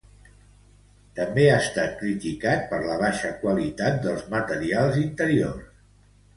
També ha estat criticat per la baixa qualitat dels materials interiors.